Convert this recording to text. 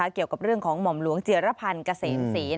เกี่ยวกับเรื่องของหม่อมหลวงเจียรพันธ์เกษมศรี